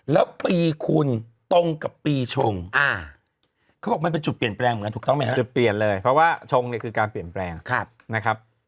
แล้วปีคุณตรงกับปีชงเขาบอกมันเป็นจุดเปลี่ยนแปลงเหมือนกันถูกต้องไหมครับจุดเปลี่ยนเลยเพราะว่าชงเนี่ยคือการเปลี่ยนแปลงนะครับ